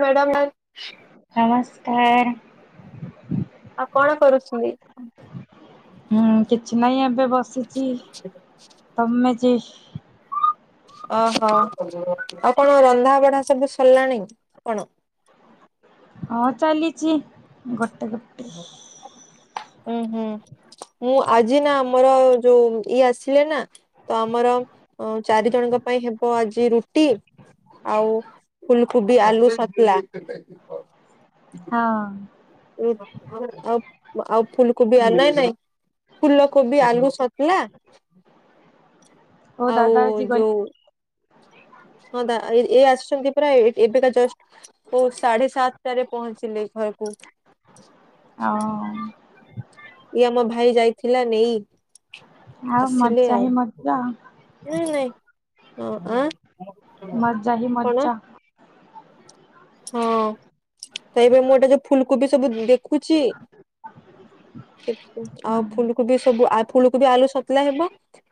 Madam ନମସ୍କାର ଆଉ କଣ କରୁଛନ୍ତି ହୁଁ କିଛି ନାହିଁ ଏବେ ବସିଛି ତମେ ଯେ ଓହୋ ଆଉ କଣ ରନ୍ଧା ବଢା ସବୁ ସରିଲାଣି କଣ ହଁ ଚାଲିଚି ଗୋଟେ ଗୋ ହୁଁ ହୁଁ। ମୁଁ ଆଜି ନା ଆମର ଯୋଉ ଇଏ ଆସିଲେ ନା। ତ ଆମର ଅଁ ଚାରି ଜଣଙ୍କ ପାଇଁ ହେବ ଆଜି ରୁଟି। ଆଉ ଫୁଲକୋବି ଆଲୁ ସତଲା। ହଁ। ଉ ଆଉ ଆଉ ଫୁଲକୋବି ଆ ନାଇଁ ନାଇଁ। ଫୁଲ କୋବି ଆଲୁ ସତଲା କୋଉ ଆଉ ଦାଦା ଆଜି ଗଲେ ଯୋଉ। ହଁ ଦା ଏ ଇଏ ଆସୁଛନ୍ତି ପୁରା ଏବେକା ଜଷ୍ଟ। କୋଉ ସାଢେ ସାତଟାରେ ପହଞ୍ଚିଲେ ଘରକୁ। ଆ ଅଁ। ଇଏ ଆମ ଭାଇ ଯାଇଥିଲା ନେଇ ଆଉ ଆସିଲେ ମଜା ଆଉ। ହିଁ ମଜା ନା ନାଇଁ। ମଜା ହି କଣ ମଜା। ହଁ ତ ଏବେ ମୁଁ ଏଇଟା ଯୋଉ ଫୁଲକୋବି ସବୁ ଦେଖୁଛି। ଆଉ ଫୁଲକୋବି ସବୁ ଆ ଫୁଲକୋବି ଆଳୁ ସତଲା ହେବ।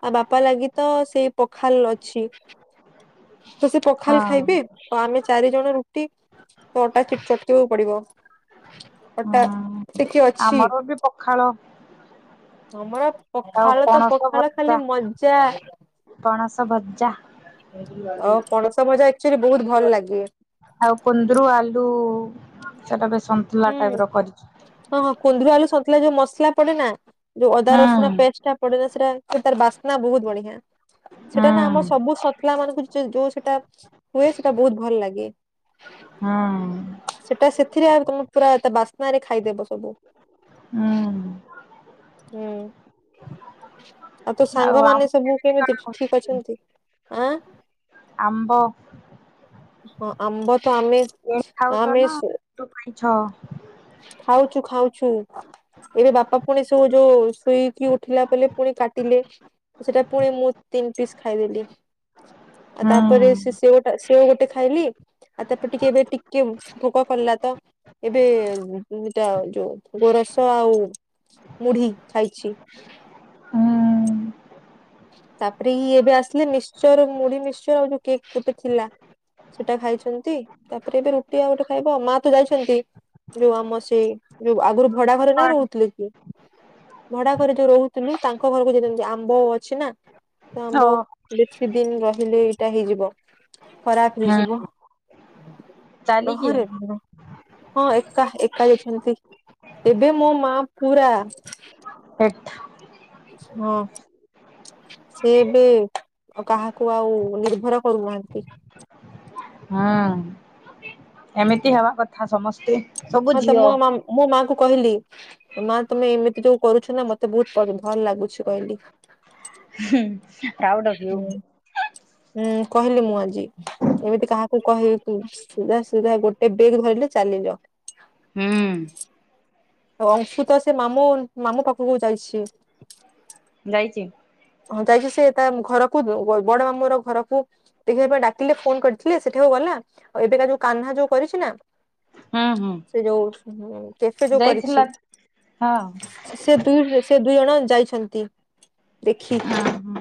ଆଉ ବାପା ଲାଗି ତ ସେଇ ପଖାଲ୍ ଅଛି। ତ ସେ ପଖାଲ୍ ହଁ। ଖାଇବେ ତ ଆମେ ଚାରି ଜଣ ରୁଟି। ତ ଅଟା ଚଟକିବାକୁ ପଡିବ ଅଟା ହୁଁ ଟିକେ ଅଛି ଆମର ବି ପଖାଳ ଅମରା। ଆଉ ପଖାଳ ତ ପଣସ ପଖାଳ ଭଜା। ଖାଲି ମଜା। ପଣସ ଭଜ୍ଜା। ଅ ପଣସ ଭଜା ଆକ୍ଚୁଆଲି ବହୁତ ଭଲ ଲାଗେ। ଆଉ କୁନ୍ଦୁରୁ ଆଲୁ। ସେଟା ବି ସନ୍ତୁଳା ହୁଁ ଟାଇପ ର କରିଛି। ହଁ ହଁ କୁନ୍ଦରି ଆଳୁ ସନ୍ତଲା ଯୋଉ ମସଲା ପଡେ ନା। ଯୋଉ ଅଦା ହୁଁ ରସୁଣ ପେସଟ୍ ଟା ପଡିଲେ ସେଟା ତାର ବାସ୍ନା ବହୁତ ବଢିଆ। ହୁଁ ସେଟା ନା ଆମ ସବୁ ସତଲା ମାନଙ୍କୁ ଯୁ ଯୋଉ ସେଟା ହୁଏ ସେଟା ବହୁତ ଭଲ ଲାଗେ। ହଁ। ସେଟା ସେଥିରେ ଆଉ [unintelligible] ପୁରା ତା ବାସ୍ନ ରେ ଖାଇଦେବ ସବୁ। ହୁଁ ହୁଁ। ଆଉ ତୋ ଆମ ସାଙ୍ଗମାନେ ସବୁ କଣ କେମିତି ଠିକ କରୁଛନ୍ତି? ଅଛନ୍ତି ଆଁ। ଆମ୍ବ। ହଁ ଆମ୍ବ ତ ଆମେ ଖାଉଚ ଆମେ ନା ତୁ ପାଇଁ ଛ। ଖାଉଚୁ ଖାଉଛୁ। ଏବେ ବାପା ପୁଣି ସୋ ଯୋଉ ଶୋଇକି ଉଠିଲା ବେଲେ ପୁଣି କାଟିଲେ। ସେଟା ପୁଣି ମୁଁ ତିନି ପିସ୍ ଖାଇଦେଲି। ଆଉ ହୁଁ ତାପରେ ସେ ସେଓଟା ସେଓ ଗୋଟେ ଖାଇଲି। ଆ ତାପରେ ଟିକିଏ ଏବେ ଟିକିଏ ଭୋକ କଲା ତ ଏବେ ତିନିଟା ଆଉ ଯୋଉ ଗୋରସ ଆଉ ମୁଢି ଖାଇଛି। ହୁଁ ତାପରେ ଇ ଏବେ ଆସିଲେ ମିଶ୍ଚର ମୁଢି ମିଶ୍ଚର ଆଉ ଯୋଉ କେକ୍ ଗୋଟେ ଥିଲା। ସେଟା ଖାଇଛନ୍ତି ତାପରେ ଏବେ ରୁଟି ଆଉ ଗୋଟେ ଖାଇବ ମା ତ ଯାଇଛନ୍ତି। ଯୋଉ ଆମ ସେଇ ଯୋଉ ଆଗୁରୁ ଭଡା ଘରେ ନାଇଁ ରହୁଥିଲେ କି। ଭଡା ଘରେ ଯୋଉ ରହୁଥିଲୁ ତାଙ୍କ ଘରକୁ ଯାଇଚନ୍ତି ଆମ୍ବ ଓ ଅଛି ନା। ତ ଓ ଆମ୍ବ ବେଶୀ ଦିନ୍ ରହିଲେ ଏଇଟା ହେଇଯିବ ଖରାପ ହୁଁ ହେଇଯିବ। ଚାଲିକି ରହରେ ପୁଅ। ହଁ ଏକା ଏକା ଯାଇଛନ୍ତି ଏବେ ମୋ ମା ପୁରା। ଏଠ। ହଁ। ସେ ଏବେ କାହାକୁ ଆଉ ନିର୍ଭର କରୁନାହାନ୍ତି। ହଁ ଏମିତି ହେବା କଥା ସମସ୍ତେ। ସବୁ ହଁ ତ ଝିଅ ମୋ ମାମୁଁ ମୋ ମା କୁ କହିଲି ମା ତମେ ଏମିତି ଯୋଉ କରୁଛ ନା ମତେ ବୋହୁତ ଭଲ ଲାଗୁଛି କହିଲି। ହୁଁ ପ୍ରାଉଡ ଅଫ୍ ୟୁ। ହୁଁ ହୁଁ କହିଲି ମୁଁ ଆଜି ଏମିତି କାହାକୁ କହି ତୁ ସୁଭା ସୁଭା ଗୋଟେ ବେଗ୍ କୁ ଧରିଲେ ଚାଲିଲ। ହୁଁ। ଅଂଶୁ ତ ସେ ମାମୁଁ ମାମୁଁ ପାଖକୁ ଯାଇଛି। ଯାଇଚି। ହଁ ଯାଇଛି ସେ ତା ଘରକୁ ବଡ ମାମୁଁ ର ଘରକୁ ଟିକେ ଏବେ ଡାକିଲେ ଫୋନ କରିଥିଲେ ସେଠାକୁ ଗଲା ଆଉ ଏବେକା ଯୋଉ କହ୍ନା ଯୋଉ କରିଛି ନା ହୁଁ ହୁଁ ସେ ଯୋଉ କେତେ ଯୋଉ କରିଛି। ଯାଇଥିଲା ହଁ ସେ ଦୁଇ ସେ ଦୁଇ ଜଣ ଯାଇଛନ୍ତି। ଦେଖି ହୁଁ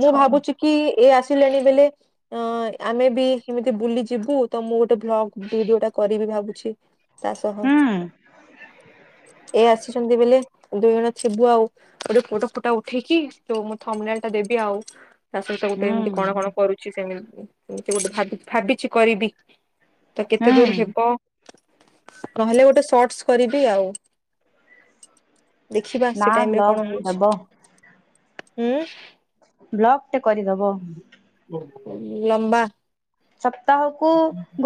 ମୁଁ ହଉ ଭାବୁଚି କି ଏ ଆସିଲେଣି ବେଲେ ଅ ଆମେ ବି କେମିତି ବୁଲି ଯିବୁ ତ ମୁଁ ଗୋଟେ ଭ୍ଲଗ ଭିଡିଓ ଟା କରିବି ଭାବୁଛି। ତା ସହ। ହୁଁ ଏ ଆସିଛନ୍ତି ବେଲେ ଦୁଇ ଜଣ ଥିବୁ ଆଉ। ଗୋଟେ ପୋଟ ଫୁଟା ଉଠେଇକି ଯୋ ମୁଁ ଥମନାଲ ଟା ଦେବି ଆଉ ତା ସହିତ ଗୋଟେ ହୁଁ ଏମିତି କଣ କଣ କରୁ ଛି ସେମିତି ଗୋଟେ ଭାବି ଭାବିଛି କରିବି ତ କେତେ ହୁଁ ଦୂର ହେବ ନହେଲେ ଗୋଟେ ସଟସ କରିବି ଆଉ ଦେଖିବା ନା ସେ ଟାଇମରେ ବ୍ଲଗ ଦବ ଉଁ। ବ୍ଲକ ଟେ କରିଦବ। ଲମ୍ବା। ସପ୍ତାହକୁ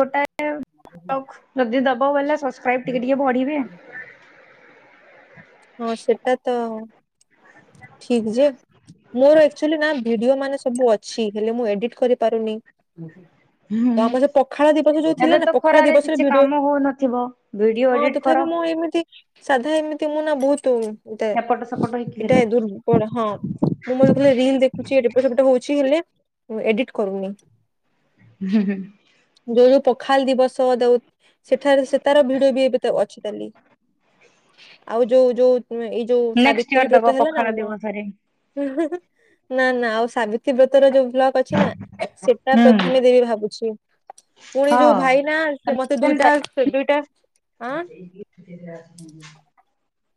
ଗୋଟାଏ ଯଦି ଦବ ବୋଇଲେ ଟାଇପ୍ ଟିକେ ଟିକେ ପଢିବେ। ହଁ ସେଟା ତ ଠିକ ଯେ ମୋର ଏକଚୁଲି ନା ଭିଡିଓ ମାନେ ସବୁ ଅଛି ହେଲେ ମୁଁ ଏଡିଟ କରିପାରୁନି। ତ ହୁଁ ଆମର ସେ ପଖାଳ ଦିବସ ଯୋଉ ଏବେ ଥିଲା ନା ତ ପଖାଳ ଖରାରେ ଦିବସରେ କିଛି ଭିଡିଓ କାମ ହଉନଥିବ ଭିଡିଓ ହଁ ଏଡିଟ କର। ତଥାପି ମୁଁ ଏମିତି ସାଧା ଏମିତି ମୁଁ ନା ବୋହୁତ ଦେ ଏପଟ ସେପଟ ହେଇକି ହେଲେ ଏଟା ଦୂର୍ବଳ ହଁ। ମୁଁ ମୋର ଥିଲା ରିଲ୍ ଦେଖୁଛି ଏପଟ ସେପଟ ହଉଛି ହେଲେ ଏଡିଟ କରୁନି। ହୁଁ ହୁଁ ଯୋଉ ଯୋଉ ପଖାଲ ଦିବସ ଦଉ। ସେଠାରେ ସେ ତାର ଭିଡ ବି ଏବେ ଅଛି ତାଲି ଆଉ ଯୋଉ ଯୋଉ ଏଇ ଯୋଉ ନେକ୍ସଟ ଇୟର ସାବିତ୍ରୀ ଦବ ବ୍ରତ ହେଲା ନା ପଖାଳ ଦିବସରେ। ନା ନା ଆଉ ସାବିତ୍ରୀ ବ୍ରତ ର ଯୋଉ ବ୍ଲଗ। ଅଛି ନା ସେଟା ହୁଁ ହଁ। ପ୍ରଥମେ ଦେବି ଭାବୁଛି। ପୁଣି ଯୋଉ ଭାଇ ନା ସେ ମତେ ଦୁଇଟା ଦୁଇଟା ଆଁ। ଗି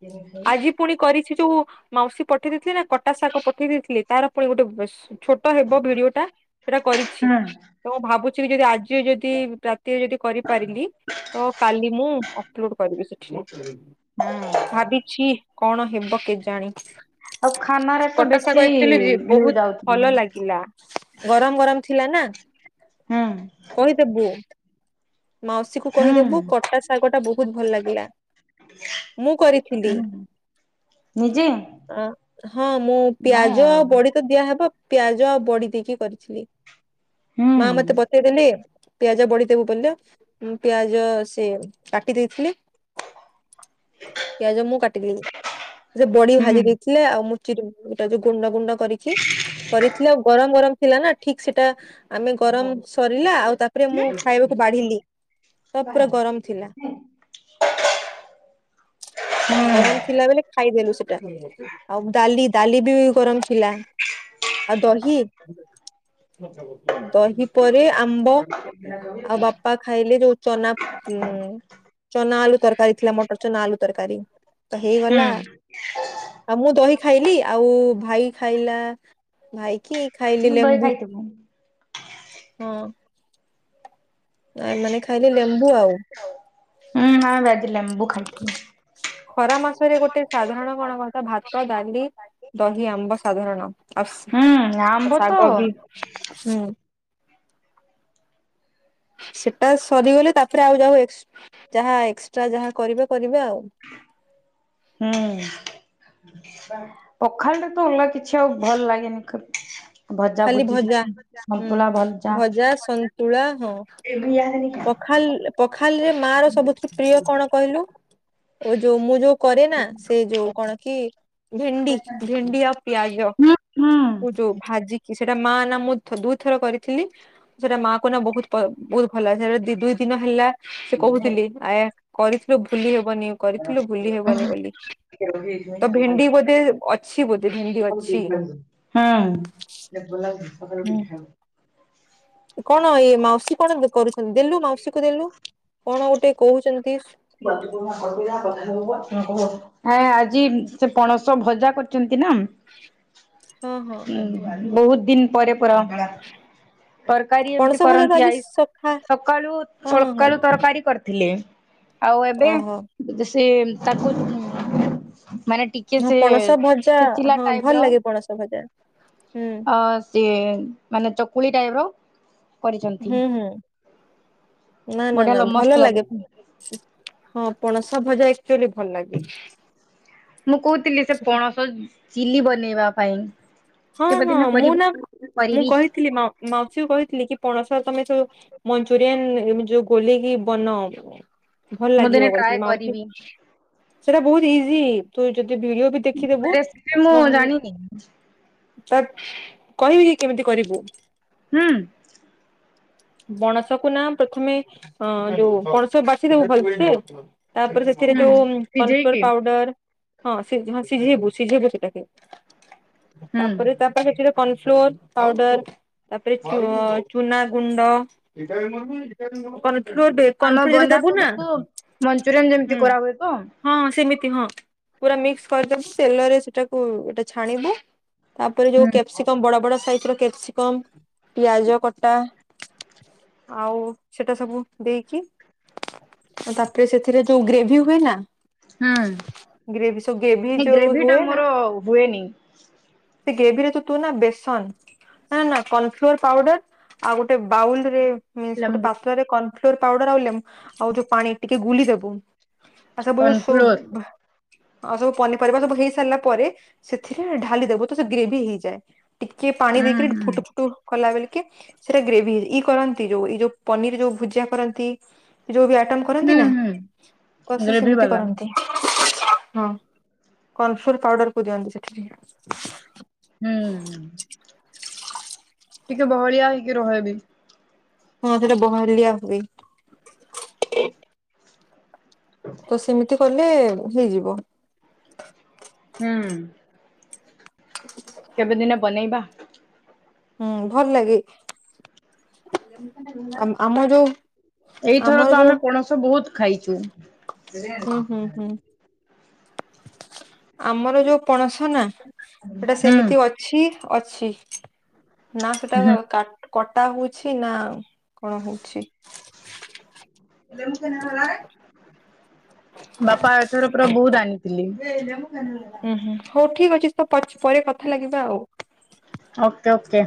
ଦେ ନ ଖାଇ। ଆଜି ପୁଣି କରିଛି ଯୋଉ ମାଉସୀ ପଠେଇ ଦେଇେଇଥିଲେ ନା କଟା ଶାଗ ପଠେଇ ଦେଇଥିଲଥିଲେ ତାର ପୁଣି ଗୋଟେ। ଛୋଟ ହେବ ଭିଡିଓ ଟା ସେଟା କରିଛି। ହୁଁ, ତ ମୁଁ ଭାବୁଛି କି ଯଦି ଆଜି ଯଦି ରାତିରେ ଯଦି କରିପାରିଲି। ତ କାଲି ମୁଁ ଅପଲୋଡ କରିବି ସେଠ। ହୁଁ। କି କଣ ହେବ କେଜାଣି। ଆଉ ଖାନାରେ ତ କଟକ ବେଶୀ ଶାଗ ଏଥିଲୁ ଯେ ଭିଉ ବହୁତ ଯାଉଥିବି। ଭଲ ଲାଗେ। ହେଲା ଗରମ ଗରମ ଥିଲା ନା ହୁଁ କହିଦେବୁ। ମାଉସୀକୁୁ ହୁଁ କହିଦେବୁ କଟା ଶାଗ ଟା ବହୁତ ଭଲ ଲାଗିଲା। ମୁଁ କରିଥିଲି। ନିଜେ ଅ ହଁ ମୁଁ ପିଆଜ ବାଉ ଆଉ ବଡି। ତ ଦିଆହେବ ପିଆଜ ଆଉ ବଡି ଦେଇକି କରିଥିଲି ହୁଁ ମା ହୁଁ ମତେ ବତେଇଦେଲେ। ପିଆଜ ବଢିଦବୁ ପିଲ ପିଆଜ ସେ କାଟି ଦେଇଥିଲେି। ପିଆଜ ମୁଁ କାଟିଦି ସେ ବଢି ହୁଁ ଭାଜି ଦେଇଥିଲ। ଥିଲେ ଆଉ ମୁଚି ଯୋଉ ଗୁଣ୍ଡ ଗୁଣ୍ଡ କରିକି କରିଥିଲେ ଆଉ ଗରମ ଗରମ। ଥିଲା ନା ଠିକ ସେଟା ଆମେ ଗରମ ସରିଲା ଆଉ ତାପରେ ମୁଁ ଖାଇବାକୁ ବାଢିଲି। ତ ପୁରା ଗରମ ଥିଲା। ଗରମ ଥିଲା ବେଳେ। ଖାଇଦେଲୁ ସେଟା ଆଉ ଡାଲି ଡାଲି ବି ଗରମ ଥିଲା। ଆଉ ଦହି ଦହି ପରେ ଆମ୍ବ। ଆଉ ବାପା ଖାଇଲେ ଯୋଉ ଚନା ଉ ଚନା ଆଲୁ ତରକାରୀ ଥିଲା ମଟର ଚନା ଆଲୁ ତରକାରୀ ତ ହେଇଗଲା। ହୁଁ ଆଉ ମୁଁ ଦହି ଖାଇଲି ଆଉ ଭାଇ ଖାଇଲା। ଭାଇ କି ଖାଇଲେ ତୁ ଦହି ଲେମ୍ବୁ ଖାଇଥିବୁ। ହଁ। ନାଇଁ ମାନେ ଖାଇଲେ ଲେମ୍ବୁ ଆଉ। ହଁ ବାଜି ଲେମ୍ବୁ ଖାଇଥିଲି। ଖରା ମାସରେ ଗୋଟେ ସାଧାରଣ କଣ କଥା ଭାତ ଡାଲି। ଦହି ଆମ୍ବ ସାଧାରଣ ଆଉ। ହୁଁ ଆମ୍ବ ତ। ଶାଗ ବି ହୁଁ। ସେଟା ସରିଗଲେ ତାପରେ ଆଉ ଯା ଯାହା ଏକ୍ସଟ୍ରା ଯାହା କରିବେ କରିବେ ଆଉ। ହୁଁ। ପଖାଳରେ ତ ଅଗା କିଛି ଆଉ ଭଲ ଲାଗେନି। ଭଜା ଖାଲି ଭୁଜି କିଛି ଭଜା ହୁଁ ସନ୍ତୁଳା ଭଜା ସନ୍ତୁଳା ହଁ। ହୁଁ ପଖାଲ ପଖାଲରେ ମା ର ସବୁଠୁ ପ୍ରିୟ କଣ କହିଲୁ ଓ ଯୋଉ ମୁଁ ଯୋଉ। କରେ ନା ସେ ଯୋଉ କଣ କି ଭେଣ୍ଡି ଭେଣ୍ଡି ଆଉ ପିଆଜ। ଯୋଉ ଭାଜିକି ସେଇଟା ମା ନା ମୁଥ ଦୁଇଥର କରିଥିଲି। ସେଇଟା ମା କ ନା ବହୁତ ବହୁତ ଭଲ ସେଟା ଦୁଇ ଦିନ ହେଲା। ସେ କହୁଥିଲି ଆା କରିଥିଲୁ ଭୁଲି ହେବନି। କରିଥିଲୁ ଭୁଲି ହେବନି ବୋଲି ତ ଭେଣ୍ଡି ବୋଧେ ଅଛି ବୋଧେ। ସଳୁ ଅଛି ଠିକ ଲାଗିବୁ ଲାଗ ସକାଳୁ ଠିକ୍ ହୁଁ ଲାଗିବ [unintelligible] କଣ ଇଏ ମାଉସୀ କଣ କରୁଛନ୍ତି ଦେଲୁ ମାଉସୀ କ ଦେଲୁ କଣ ଗୋଟେ କହୁଛନ୍ତି। ପ୍ରଣ ଯା କଥା ହେବ ଆ କଣ। ହଁ ଆଜି ସେ ପଣସ ଭଜା କରିଛନ୍ତି ନା। ହଁ ହଁ ହୁଁ ବହୁତ ଦିନ ପରେ ପ। ତରକାରୀ ଏମତି ପଣସ ଭଜା ଟା କରନ୍ତି ଆଜି ଆଇ ସଖା ସକାଳୁ ହଁ ହଁ ହଁ ସକାଳୁ ତରକାରୀ କରିଥିଲେ। ଆଉ ଏବେ ଓହୋ ସେ ତାକୁ ମାନେ ଟି କି ହଁ ସେ ପଣସ ଭଜା ସେଚିଲା ହଁ ଭଲ ଟାଇପ ର ଲାଗେ ପଣସ ଭଜା ହୁଁ ଅ ସିଏ ମାନେ ଚକୁଳି ଟାଇପ ର କରିଛନ୍ତି। ହୁଁ ହୁଁ ନା ନା ବଢିଆ ନା ଲ ମସ୍ତ ଭଲ ଲାଗେ ଲାଗୁଛି। ହଁ ପଣସ ଭଜାଏଚୁଆଲି ଭଲ ଲାଗେ। ମୁଁ କହୁଥିଲି ସେ ସେଟା ପଣସ ଚିଲି ବନେଇବା ପାଇଁ। କେବେଦିନ କରିବ କରିବି ଥିଲ ମା ମାଉସୀ କହିଥିଲେ କି ପଣସର ତମେ ସବୁ ମଞ୍ଚୁରିଆନ ଯୋଉ ଗୋଲିକି ବନା ଭଲ ମୁଁ ଦିନେ ଲାଗିବ ଟ୍ରାଏ କଥିଲ ମାଉସୀ କରିବି। ସେଟା ବହୁତ ଇଜି ତୁ ଯଦି ଭିଡିଓ ବି ଦେଖିଦେବୁ [unintelligible] ରେ ମୁଁ ଜାଣିନି। ତ କହିବି କି କେମିତି କରିବୁ। ହୁଁ। ବଣସ କ ନା ପ୍ରଥମେ ଅ ଯୋଉ ପଣସ ବାସି ଦେବୁ ଭଲ ସେ ତାପରେ ସେଥିରେ ହୁଁ ଯୋଉ କର୍ଣଫ୍ଲୋର ସିଝେଇକି ପାଉଡର ହଁ ସି ହଁ ସିଝେଇବୁ ସିଝେଇବୁ ସେଟାକେ ହୁଁ। ତାପରେ ତାପ [unintelligible] କର୍ଣଫ୍ଲୋର ପାଉଡର ତାପରେ ଚ ଚୁନା ଗୁଣ୍ଡ କନ୍ଫ୍ଲାର୍ ଆମ ବନ୍ଧାକୋବି କୁ ମଞ୍ଚୁରିଆନ ଯେମିତି ହୁଁ କରା ହୁଏ ତ। ହଁ ସେମିତି ହଁ ପୁରା ମିକ୍ସ କରିଦବୁ ତେଲରେ ସେଟାକୁଟା ଛାଣିବୁ ତାପରେ ହୁଁ ଯୋଉ କ୍ୟାପ୍ସିକମ ବଡ ବଡ ସାଇଜ ର କ୍ୟାପ୍ସିକମ ପିଆଜ କଟା ଆଉ ସେଟା ସବୁ ଦେଇକି ତାପରେ ସେଥିରେ ଯୋଉ ଗ୍ରେଭି ହୁଏ ନା ହୁଁ। ଗ୍ରେଭି ସ ଗ୍ରେଭି ସେ ଯୋ ଟା ହୁଏ ମୋର ନା ହୁଏନି ସେ ଗ୍ରେଭିରେ ତ ତୁ ନା ବେସନ ନା ନା କର୍ନଫ୍ଲୋର ପାଉଡର ଆଉ ଗୋଟେ ବାଉଲରେ ମି ଗୋଟେ ଲେମ୍ବୁ ପାତ୍ର ରେ ଫ୍ଲୋଉର ପାଉଡର ଆଉ ଲେ ଆଉ ଯୋଉ ପାଣି ଟିକେ ଗୁଲି ଦେବୁ ଆସା ବ ସ କର୍ଣଫ୍ଲୋର ଆଉ ସବୁ ପନିପରିବା ସବୁ ହେଇ ସାରିଲା ପରେ ସେଥିରେ ଢାଲି ଦବୁ ତ ସେ ଗ୍ରେଭି ହେଇଯାଏ। ଟିକେ ପାଣି ହୁଁ ଦେଇକରି ହୁଁ। ଫୁଟ ଫୁଟ କଲା ବେଲିକ ସେଇଟା ଗ୍ରେଭି ଇ କରନ୍ତି ଯୋଉ ଇ ଯୋଉ ପନିର ଯୋଉ ଭୁଜିା କରନ୍ତି ଯୋଉ ବି ଆଇଟମ କରନ୍ତି ହୁଁ ନା ହୁଁ କର ସେ ଗ୍ରେଭି ସେମିତି ବାଲା କରନ୍ତି। ହଁ କନଫଲ ପାଉଡରକୁ ଦିଅନ୍ତି ସେଥିରେ। ହୁଁ ଟିକେ ବହଳିଆ ହେଇକି ରହେବି। ହଁ ସେଟା ବହଲିଆ ହୁଏ। ତ ସେମିତି କଲେ ହେଇଯିବ। ହୁଁ। ହ କେବେଦିନେ ବନେଇବା। ହୁଁ ଭଲ ଲାଗେ। ଆମ ଆମ ଯୋଉ ଏଇଥର ଆମର ତ ଯୋଉ ଆମେ ପଣସ ବହୁତ ଖାଇଛୁ। ହୁଁ ହୁଁ ହୁଁ। ଆମର ଯୋଉ ପଣସ ନା ସେଟା ହୁଁ ସେମିତି ଅଛି ଅଛି। ନା ସେଟା ହୁଁ। କାଟ କଟା ହଉଛି ନା କଣ ହଉଛି। [unintelligible] ବାପା ଏଥର ପୁରା ବହୁତ ଆନିଥିଲେ। ହୁଁ ହୁଁ, ହଉ ଠିକ ଅଛି, ତ ପରେ କଥା ଲାଗିବା ଆଉ। Okay okay.